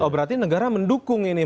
berarti negara mendukung ini